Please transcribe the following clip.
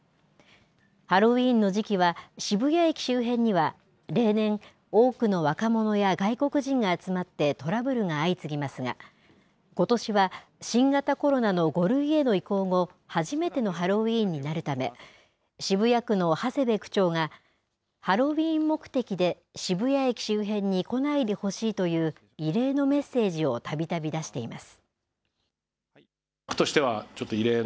ハロウィーンの時期は、渋谷駅周辺には例年、多くの若者や外国人が集まってトラブルが相次ぎますが、ことしは、新型コロナの５類への移行後、初めてのハロウィーンになるため、渋谷区の長谷部区長が、ハロウィーン目的で渋谷駅周辺に来ないでほしいという、異例のメッセージをたびたび出しています。